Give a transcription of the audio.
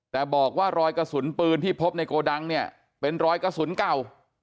แต่บอกว่ารอยกระสุนปืนที่พบในโกดังเนี่ยเป็นรอยกระสุนเก่า